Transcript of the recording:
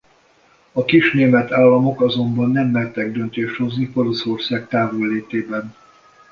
A kis német államok azonban nem mertek döntést hozni Poroszország távollétében.